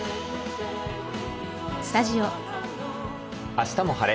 「あしたも晴れ！